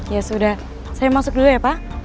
ya sudah saya masuk dulu ya pak